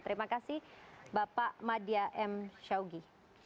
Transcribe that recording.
terima kasih bapak madia m syawgi